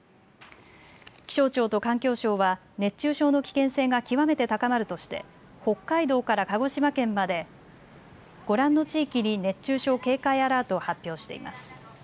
気象庁と環境省は熱中症の危険性が極めて高まるとして北海道から鹿児島県までご覧の地域に熱中症警戒アラートを発表しています。